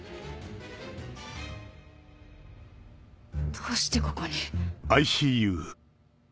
どうしてここに。